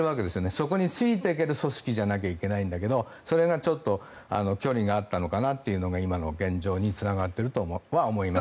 そこについていける組織じゃないといけないんだけどそこと距離があったのかなというのが現状につながっているとは思います。